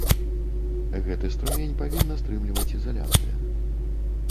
Гэты струмень павінна стрымліваць ізаляцыя.